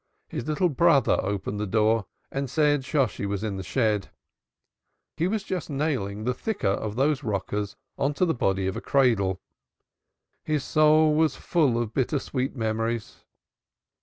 His little brother opened the door and said Shosshi was in the shed. He was just nailing the thicker of those rockers on to the body of a cradle. His soul was full of bitter sweet memories.